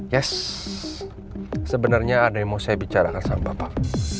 yes sebenarnya ada yang mau saya bicarakan sama bapak